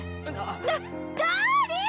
ダダーリン！